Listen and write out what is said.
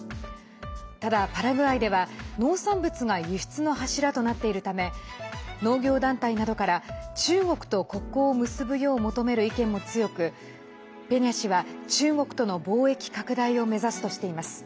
ただ、パラグアイでは農産物が輸出の柱となっているため農業団体などから中国と国交を結ぶよう求める意見も強くペニャ氏は中国との貿易拡大を目指すとしています。